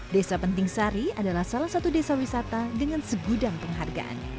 desa penting sari adalah salah satu desa wisata dengan segudang penghargaan